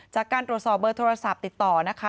จากการตรวจสอบเบอร์โทรศัพท์ติดต่อนะคะ